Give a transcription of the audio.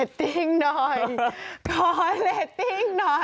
ขอละติ้งหน่อยขอละติ้งหน่วย